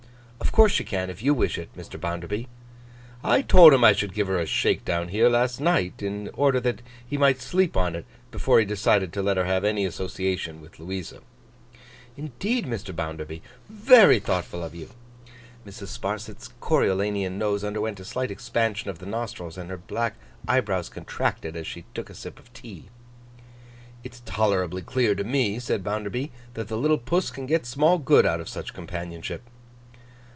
'Of course she can if you wish it, Mr. Bounderby.' 'I told him I would give her a shake down here, last night, in order that he might sleep on it before he decided to let her have any association with Louisa.' 'Indeed, Mr. Bounderby? Very thoughtful of you!' Mrs. Sparsit's Coriolanian nose underwent a slight expansion of the nostrils, and her black eyebrows contracted as she took a sip of tea. 'It's tolerably clear to me,' said Bounderby, 'that the little puss can get small good out of such companionship.